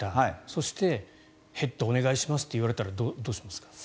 そしてヘッドお願いしますと言われたらどうしますか？